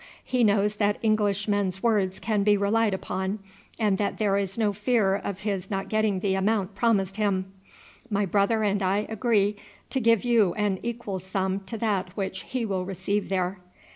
He knows that Englishmen's words can be relied upon, and that there is no fear of his not getting the amount promised him. My brother and I agree to give you an equal sum to that which he will receive there."